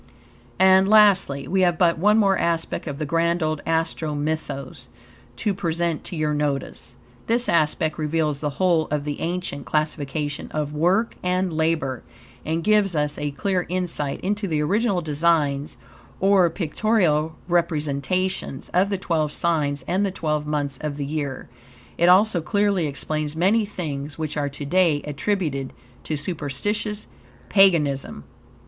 And, lastly, we have but one more aspect of the grand old Astro Mythos to present to your notice. This aspect reveals the whole of the ancient classification of WORK and LABOR, and gives us a clear insight into the original designs, or pictorial representations, of the twelve signs and the twelve months of the year. It also clearly explains many things which are to day attributed to superstitious paganism.